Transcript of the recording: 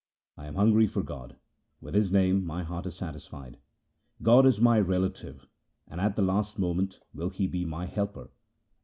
I am hungry for God; with His name my heart is satisfied. God is my relative, and at the last moment will be my helper.